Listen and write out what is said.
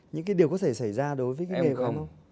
những cái điều có thể xảy ra đối với cái nghề của em không